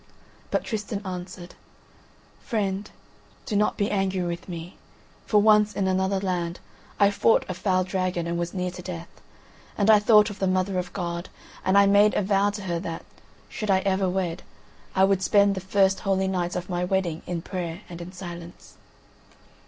But Tristan answered: "Friend, do not be angry with me; for once in another land I fought a foul dragon and was near to death, and I thought of the Mother of God, and I made a vow to Her that, should I ever wed, I would spend the first holy nights of my wedding in prayer and in silence."